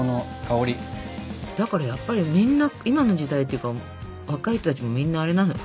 だからやっぱりみんな今の時代っていうか若い人たちもみんなあれなのよ。